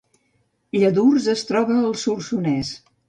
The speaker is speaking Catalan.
Lladurs es troba al Solsonès